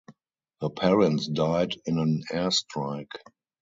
Her parents died in an air strike.